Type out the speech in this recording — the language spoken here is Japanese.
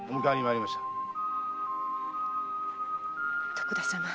徳田様。